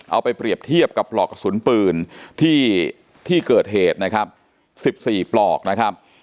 เอาไปเปรียบเทียบกับปลอกกระสุนปืนที่เกิดเหตุนะครับ๑๔ปลอกนะครับ